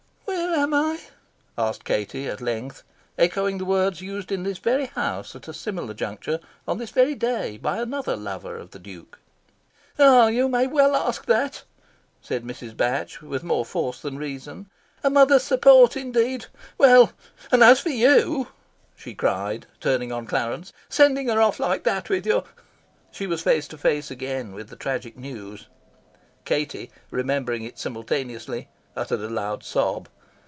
"Where am I?" asked Katie, at length, echoing the words used in this very house, at a similar juncture, on this very day, by another lover of the Duke. "Ah, you may well ask that," said Mrs. Batch, with more force than reason. "A mother's support indeed! Well! And as for you," she cried, turning on Clarence, "sending her off like that with your " She was face to face again with the tragic news. Katie, remembering it simultaneously, uttered a loud sob.